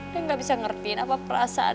dia gak bisa ngertiin apa perasaan